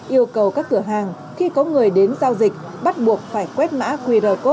yêu cầu các cửa hàng khi có người đến giao dịch bắt buộc phải quét mã qr code